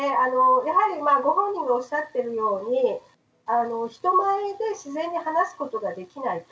やはりご本人がおっしゃっているように人前で自然に話すことができないと。